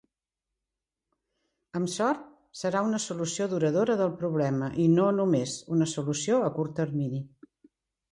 Amb sort serà una solució duradora del problema i no només una solució a curt termini